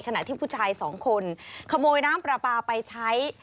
ขณะที่ผู้ชายสองคนขโมยน้ำปลาปลาไปใช้